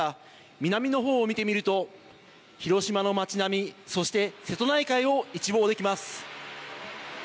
南の方を見てみると広島の町並み、そして瀬戸内海を一望できます。